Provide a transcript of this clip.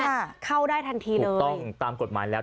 เข้าได้ทันทีเลย